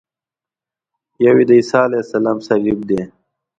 یو یې د عیسی علیه السلام صلیب دی.